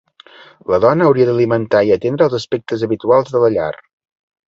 La dona hauria d'alimentar i atendre els aspectes habituals de la llar.